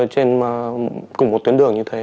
trên cùng một tuyến đường như thế